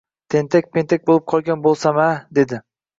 — Tentak-pentak bo‘lib qolgan bo‘lsam-a? — dedi. —